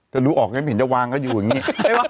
หนูออกก็ไม่เห็นจะวางก็อยู่อย่างนี้